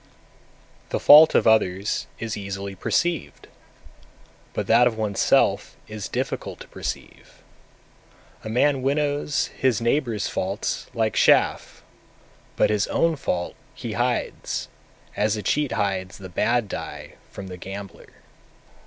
252. The fault of others is easily perceived, but that of oneself is difficult to perceive; a man winnows his neighbour's faults like chaff, but his own fault he hides, as a cheat hides the bad die from the gambler.